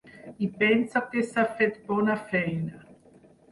I penso que s’ha fet bona feina.